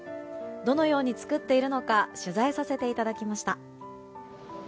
どのように作っているのか取材させていただきました。